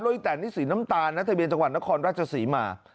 อีแตนนี่สีน้ำตาลนะทะเบียนจังหวัดนครราชศรีมา